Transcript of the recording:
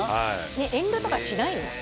ねえ遠慮とかしないの？